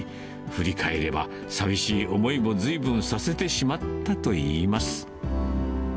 振り返れば、寂しい思いもずいぶんさせてしまったといいます。